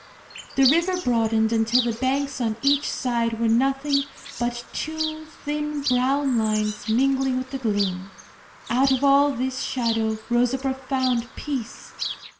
The river broadened until the banks on each side were nothing but two thin brown lines mingling with the gloom. Out of all this shadow rose a profound peace.